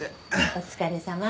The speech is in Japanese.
お疲れさま。